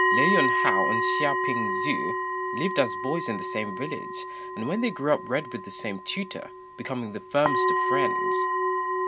Lê Yün hao and Hsia P'ing tzŭ lived as boys in the same village, and when they grew up read with the same tutor, becoming the firmest of friends.